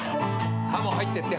ハモ入ってって。